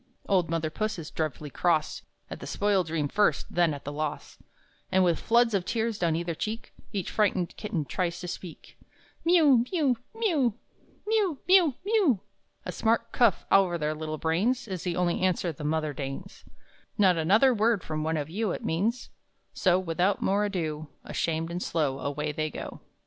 Old mother Puss is dreadfully cross, At the spoiled dream first, then at the loss; And with floods of tears down either cheek Each frightened kitten tries to speak: "Miew, miew, miew! Miew, miew, miew!" A smart cuff over their little brains Is the only answer the mother deigns "Not another word from one of you!" It means, so without more ado, Ashamed and slow Away they go.